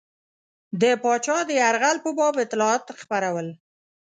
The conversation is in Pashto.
د پاچا د یرغل په باب اطلاعات خپرول.